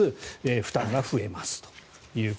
負担が増えますと。